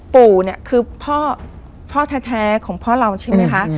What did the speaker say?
ปู่เนี่ยคือพ่อแท้ของพ่อเราใช่ไหมคะ